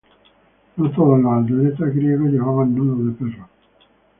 No todos los atletas griegos llevaban nudo de perro.